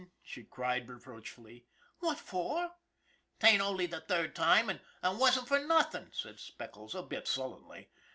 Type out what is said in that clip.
she cried reproachfully. "What for?" "'Tain't only the third time, and 'twasn't for nothinY' said Speckles, a bit sullenly.